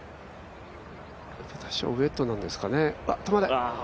やっぱり多少ウェットなんですかね。